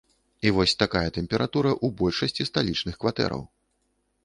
І вось такая тэмпература ў большасці сталічных кватэраў.